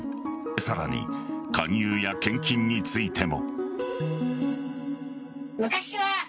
さらに、勧誘や献金についても。